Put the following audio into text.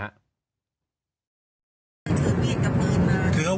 ไม่มีการใจห้าม